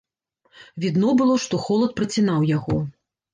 Відно было, што холад працінаў яго.